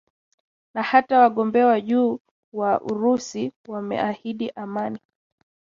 Na hata wagombea wa juu wa urais wameahidi amani